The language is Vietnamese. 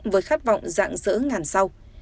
với khát vọng dạng dỡ ngàn sao